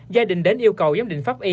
gia đình đến yêu cầu giám định pháp y